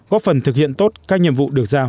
góp phần thực hiện tốt các nhiệm vụ được giao